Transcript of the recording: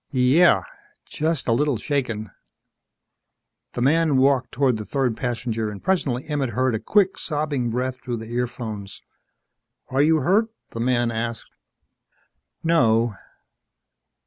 "Y Yeah. Just a little shaken." The man walked toward the third passenger and presently Emmett heard a quick, sobbing breath through the earphones. "Are you hurt?" the man asked. "No."